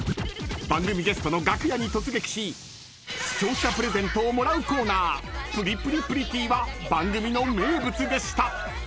［番組ゲストの楽屋に突撃し視聴者プレゼントをもらうコーナープリプリプリティ！は番組の名物でした］